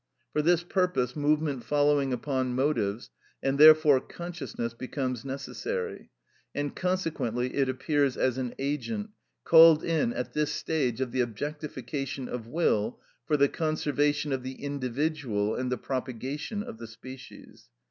For this purpose movement following upon motives, and therefore consciousness, becomes necessary, and consequently it appears as an agent, μηχανη, called in at this stage of the objectification of will for the conservation of the individual and the propagation of the species.